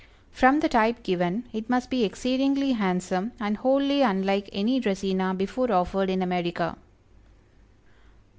From the type given, it must be exceedingly handsome, and wholly unlike any Dracæna before offered in America.